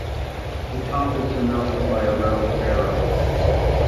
The top is surmounted by a round barrow.